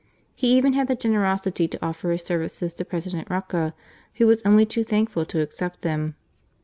He even had the generosity to offer his services to President Roca, who was only too thankful to accept them.